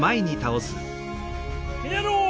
ひねろう。